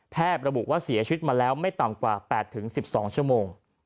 ระบุว่าเสียชีวิตมาแล้วไม่ต่ำกว่า๘๑๒ชั่วโมง